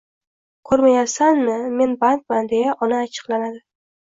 Ko‘rmayapsanmi, men bandman”, deya ona achchiqlanadi.